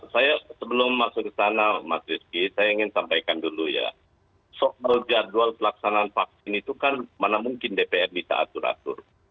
saya sebelum masuk ke sana mas rizky saya ingin sampaikan dulu ya soal jadwal pelaksanaan vaksin itu kan mana mungkin dpr bisa atur atur